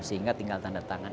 sehingga tinggal tanda tangan